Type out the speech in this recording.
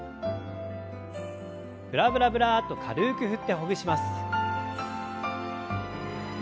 ブラブラブラッと軽く振ってほぐします。